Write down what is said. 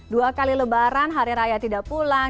dua kali lebaran hari raya tidak pulang